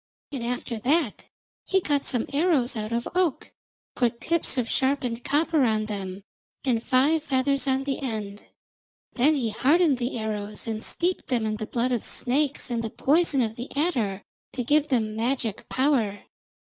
And after that he cut some arrows out of oak, put tips of sharpened copper on them, and five feathers on the end. Then he hardened the arrows and steeped them in the blood of snakes and the poison of the adder to give them magic power.